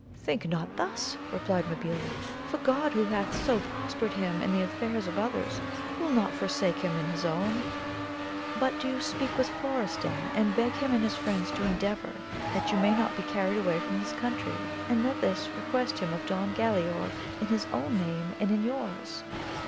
Think not thus, replied Mabilia, for God, who hath so prospered him in the affairs of others, will not forsake him in his own ;^but do you speak with Florestan, and beg him and his friends to endeavour that you may not be carried away from this country, and let him request thid of Don Galaor in his own name and in yours.